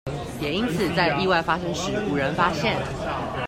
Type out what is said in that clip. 也因此在意外發生時無人發現